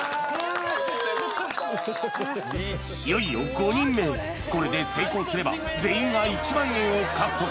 いよいよ５人目これで成功すれば全員が１万円を獲得